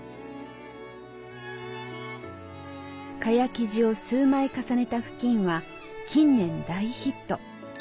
蚊帳生地を数枚重ねた布巾は近年大ヒット。